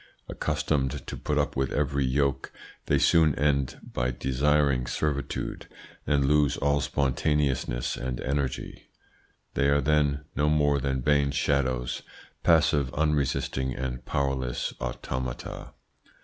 Accustomed to put up with every yoke, they soon end by desiring servitude, and lose all spontaneousness and energy. They are then no more than vain shadows, passive, unresisting and powerless automata.